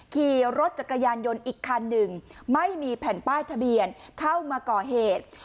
ขี่รถจักรยานยนต์อีกคันหนึ่งไม่มีแผ่นป้ายทะเบียนเข้ามาก่อเหตุ